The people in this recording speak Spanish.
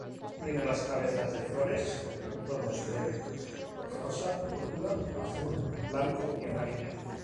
Tiene las cabezas de flores en tonos de rosa, púrpura, azul, blanco y amarillo.